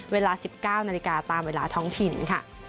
เวลา๑๙นาฬิกาตามเวลาท้องถิ่นค่ะ